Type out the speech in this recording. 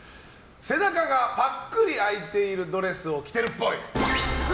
背中がぱっくり開いているドレスを着てるっぽい。